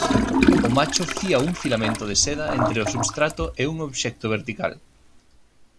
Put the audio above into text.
O macho fía un filamento de seda entre o substrato e un obxecto vertical.